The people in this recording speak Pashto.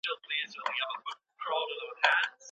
د متلونو معنی سطحي نه ده.